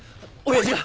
親父が！